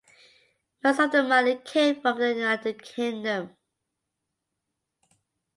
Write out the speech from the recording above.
Most of the money came from the United Kingdom.